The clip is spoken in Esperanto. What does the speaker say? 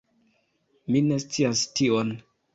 Mi ne scias tion